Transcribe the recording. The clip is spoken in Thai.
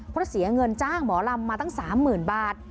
เพราะเสียเงินจ้างหมอลำมาตั้ง๓๐๐๐บาท